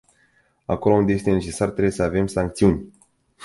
Acolo unde este necesar, trebuie să avem sancțiuni.